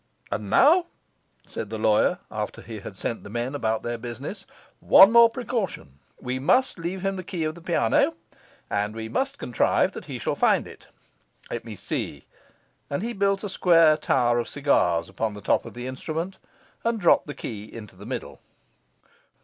'And now,' said the lawyer, after he had sent the men about their business, 'one more precaution. We must leave him the key of the piano, and we must contrive that he shall find it. Let me see.' And he built a square tower of cigars upon the top of the instrument, and dropped the key into the middle.